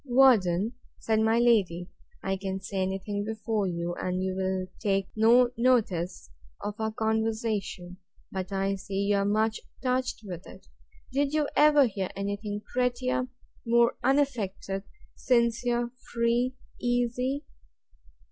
Worden, said my lady, I can say any thing before you; and you will take no notice of our conversation; but I see you are much touched with it: Did you ever hear any thing prettier, more unaffected, sincere, free, easy?